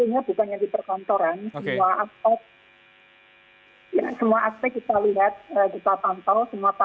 ya kami memantau tentunya bukannya di perkantoran semua aspek